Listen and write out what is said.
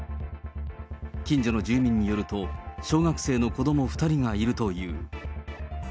近所の住民によると、小学生の子ども２人がいるという。